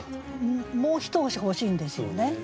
もう一押し欲しいんですよね。